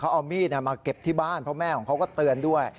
เอามีดมาเก็บที่บ้านเพราะแม่ของเขาก็เตือนด้วย